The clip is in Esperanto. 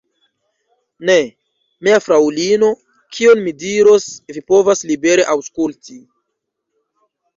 Ne, mia fraŭlino, kion mi diros, vi povas libere aŭskulti.